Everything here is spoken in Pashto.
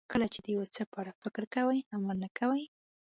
کله چې د یو څه په اړه فکر کوئ عمل نه کوئ.